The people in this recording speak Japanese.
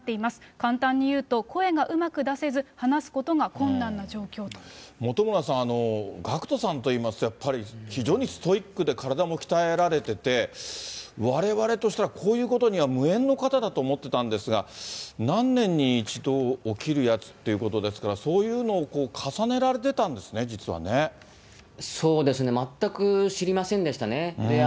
簡単に言うと、声がうまく出せず、話すことが困難な状況と。本村さん、ＧＡＣＫＴさんといいますと、やっぱり非常にストイックで体も鍛えられてて、われわれとしたらこういうことには無縁の方だと思っていたんですが、何年に一度起きるやつということですから、そういうのを重ねられそうですね、全く知りませんでしたね。